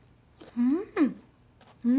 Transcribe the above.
うん！